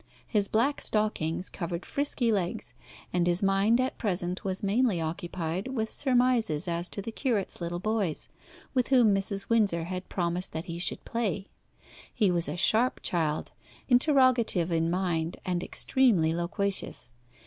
His black stockings covered frisky legs, and his mind at present was mainly occupied with surmises as to the curate's little boys, with whom Mrs. Windsor had promised that he should play. He was a sharp child, interrogative in mind, and extremely loquacious.